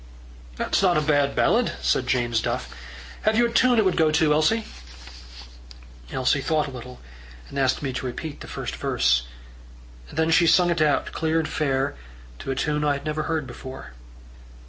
"That's not a bad ballad," said James Duff. "Have you a tune it would go to, Elsie?" Elsie thought a little, and asked me to repeat the first verse. Then she sung it out clear and fair to a tune I had never heard before.